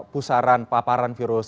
pusaran paparan virus